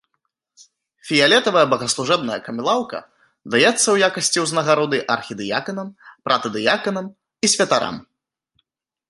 Фіялетавая богаслужэбная камілаўка даецца ў якасці ўзнагароды архідыяканам, протадыяканам і святарам.